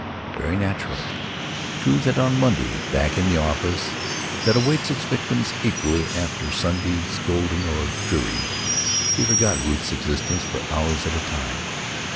very naturally. True that on Monday, back in the office that awaits its victims equally after Sundays golden or dreary, he forgot Ruth's existence for hours at a time.